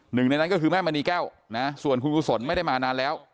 หนึ่งในนั้นก็คือแม่มณีแก้วนะส่วนคุณกุศลไม่ได้มานานแล้ว